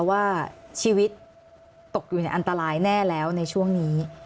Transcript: ว่าชีวิตตกอยู่ในอันตรายแน่แล้วในช่วงนี้